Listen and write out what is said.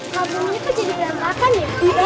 kampung ini kan jadi berantakan ya